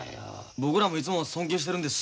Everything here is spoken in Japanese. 僕らもいつも尊敬してるんです。